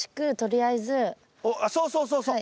あっそうそうそうそう。